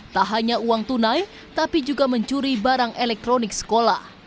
tak hanya uang tunai tapi juga mencuri barang elektronik sekolah